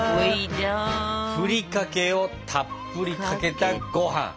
ふりかけをたっぷりかけたご飯！